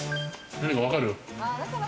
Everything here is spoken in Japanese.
何か分かる？